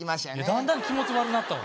だんだん気持ち悪なったわ。